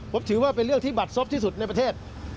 ผมถือว่าเป็นเรื่องที่บัดซบที่สุดในประเทศ